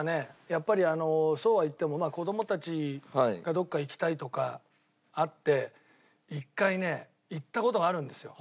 やっぱりあのそうは言っても子供たちがどこか行きたいとかあって一回ね行った事があるんですよ。